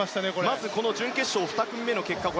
まず準決勝２組目の結果。